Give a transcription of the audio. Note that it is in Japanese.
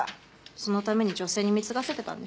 そのために女性に貢がせてたんでしょう。